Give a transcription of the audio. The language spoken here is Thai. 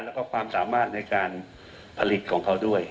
แล้วก็ความสามารถในการผลิตของเขาด้วย